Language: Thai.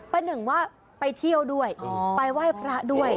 หนึ่งว่าไปเที่ยวด้วยไปไหว้พระด้วย